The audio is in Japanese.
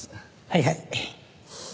はいはい。